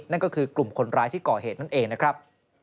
นั่นก็คือกลุ่มคนร้ายที่ก่อเหตุนั่นเองนะครับ